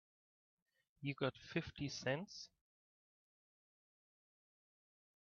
You got fifty cents?